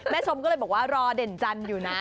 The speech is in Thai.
ชมก็เลยบอกว่ารอเด่นจันทร์อยู่นะ